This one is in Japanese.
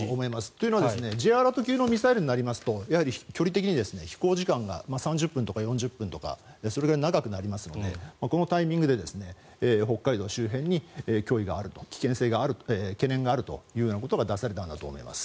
というのはＪアラート級のミサイルになりますと距離的に飛行時間が３０分とか４０分とかそれぐらい長くなりますのでこのタイミングで北海道周辺に脅威がある懸念があるということが出されたんだと思います。